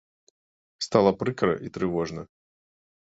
Стала прыкра і трывожна.